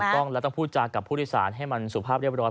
ต้องแล้วต้องพูดจากับผู้โดยสารให้มันสุภาพเรียบร้อย